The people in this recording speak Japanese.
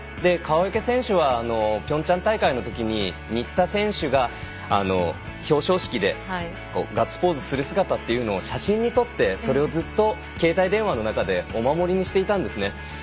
川除選手はピョンチャン大会のときに新田選手が表彰式でガッツポーズする姿というのを写真に撮ってそれをずっと携帯電話の中でお守りにしていたんですね。